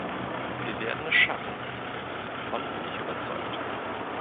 Wir werden es schaffen, davon bin ich überzeugt.